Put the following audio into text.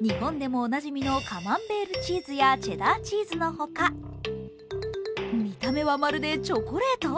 日本でもおなじみのカマンベールチーズやチェダーチーズのほか見た目はまるでチョコレート？